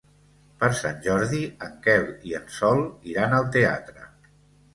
Per Sant Jordi en Quel i en Sol iran al teatre.